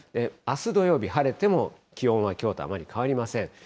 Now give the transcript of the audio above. あす土曜日、晴れても気温はきょうとあまり変わりません。